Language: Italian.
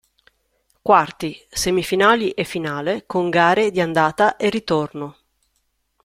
Quarti, semifinali e finale con gare di andata e ritorno.